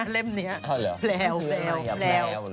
อ้าวเหรอซื้ออะไรอย่างแพรว